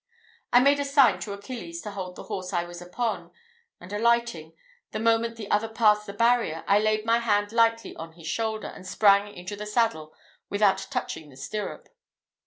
I made a sign to Achilles to hold the horse I was upon; and alighting, the moment the other passed the barrier, I laid my hand lightly on his shoulder, and sprang into the saddle without touching the stirrup.